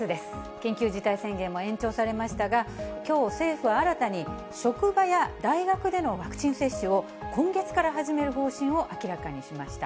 緊急事態宣言も延長されましたが、きょう、政府は新たに職場や大学でのワクチン接種を今月から始める方針を明らかにしました。